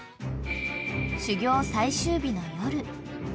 ［修業最終日の夜］